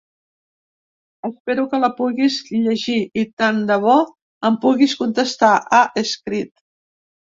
Espero que la puguis llegir i, tant de bo, em puguis contestar, ha escrit.